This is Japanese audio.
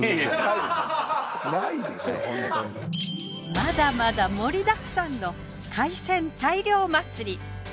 まだまだ盛りだくさんの海鮮大漁祭り。